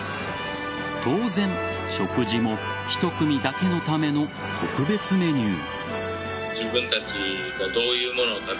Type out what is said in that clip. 当然、食事も１組だけのための特別メニュー。